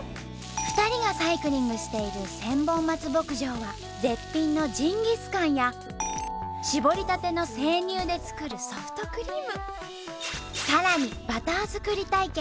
２人がサイクリングしている千本松牧場は絶品のジンギスカンや搾りたての生乳で作るソフトクリームさらにバター作り体験